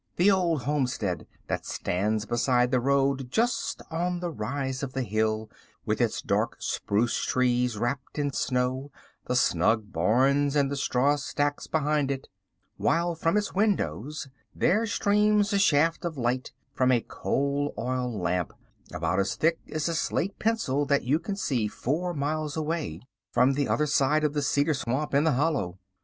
The Old Homestead that stands beside the road just on the rise of the hill, with its dark spruce trees wrapped in snow, the snug barns and the straw stacks behind it; while from its windows there streams a shaft of light from a coal oil lamp, about as thick as a slate pencil that you can see four miles away, from the other side of the cedar swamp in the hollow.